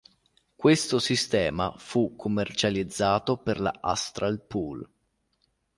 Questo sistema fu commercializzato per la Astral Pool.